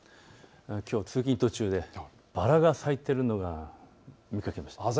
きょうは通勤途中でバラが咲いているのを見かけました。